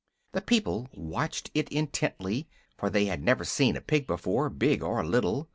The people watched it intently, for they had never seen a pig before, big or little.